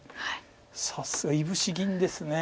さすがいぶし銀です。